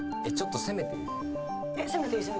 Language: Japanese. ちょっと攻めていい？